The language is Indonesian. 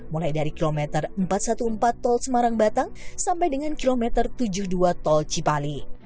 mulai dari kilometer empat ratus empat belas tol semarang batang sampai dengan kilometer tujuh puluh dua tol cipali